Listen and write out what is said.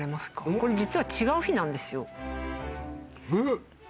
これ実は違う日なんですよえっ？